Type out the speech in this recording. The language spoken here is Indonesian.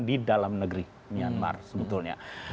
di dalam negeri myanmar sebetulnya